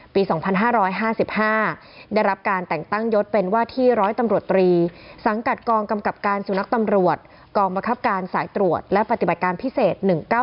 ปี๒๕๕๕ได้รับการแต่งตั้งยศเป็นว่าที่ร้อยตำรวจตรีสังกัดกองกำกับการสุนัขตำรวจกองบังคับการสายตรวจและปฏิบัติการพิเศษ๑๙๙